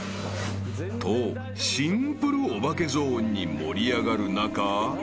［とシンプルお化けゾーンに盛り上がる中］